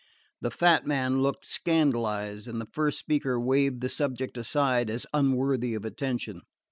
The fat man looked scandalised, and the first speaker waved the subject aside as unworthy of attention.